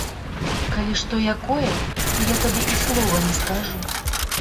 Калі што якое, то я табе і слова не скажу.